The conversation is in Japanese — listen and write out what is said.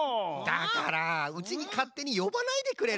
だからうちにかってによばないでくれる？